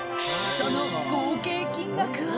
その合計金額は。